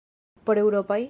Por eŭropaj?